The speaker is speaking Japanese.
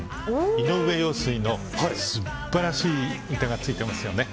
井上陽水のすっばらしい歌がついてますよね。